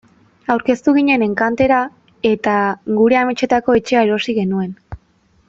Aurkeztu ginen enkantera eta gure ametsetako etxea erosi genuen.